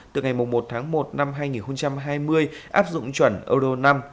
từ ngày một tháng một năm hai nghìn hai mươi áp dụng chuẩn euro năm